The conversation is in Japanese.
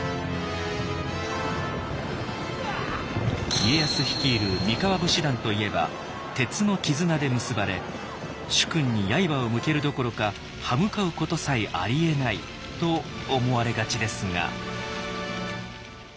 家康率いる三河武士団といえば鉄の絆で結ばれ主君に刃を向けるどころか刃向かうことさえありえないと思われがちですが。